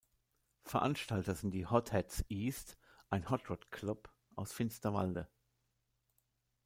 Veranstalter sind die Hot Heads East, ein Hot Rod Club aus Finsterwalde.